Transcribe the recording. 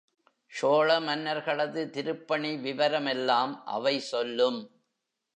சோழ மன்னர்களது திருப்பணி விவரம் எல்லாம் அவை சொல்லும்.